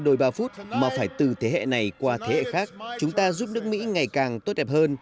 đôi ba phút mà phải từ thế hệ này qua thế hệ khác chúng ta giúp nước mỹ ngày càng tốt đẹp hơn